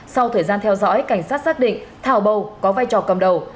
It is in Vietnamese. sau thời gian theo dõi cảnh sát xác định thảo bầu có vai trò cầm đầu